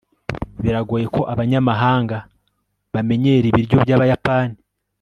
biragoye ko abanyamahanga bamenyera ibiryo byabayapani